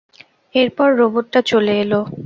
এরপর, রোবটরা চলে এলো।